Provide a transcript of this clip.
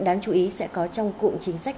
đáng chú ý sẽ có trong cụm chính sách